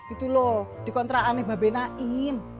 itu loh dikontrakan nih mbak bena in